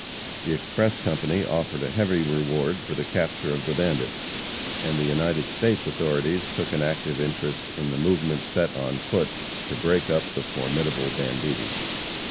The express company offered a heavy reward for the capture of the bandits, and the United States authorities took an active interest in the movement set on foot to break up the formidable banditti.